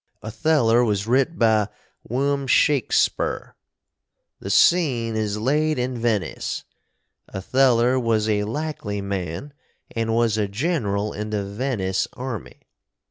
Otheller was writ by Wm. Shakspeer. The seene is laid in Veniss. Otheller was a likely man & was a ginral in the Veniss army.